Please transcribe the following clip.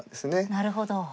なるほど。